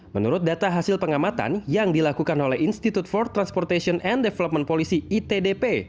menurut data hasil pengamatan yang dilakukan oleh institute for transportation and development policy itdp